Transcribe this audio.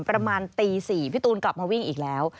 ประมาณตี๔พี่ตูนกลับมาวิ่งอีกแล้ว